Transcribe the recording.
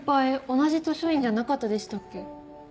同じ図書委員じゃなかったでしたっけ？